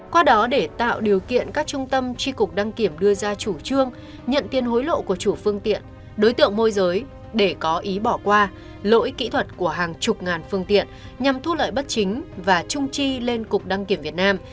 qua đó để tạo điều kiện các trung tâm tri cục đăng kiểm đưa ra chủ trương nhận tiền hối lộ của chủ phương tiện đối tượng môi giới để có ý bỏ qua lỗi kỹ thuật của hàng chục ngàn phương tiện nhằm thu lợi bất chính và trung tri lên cục đăng kiểm việt nam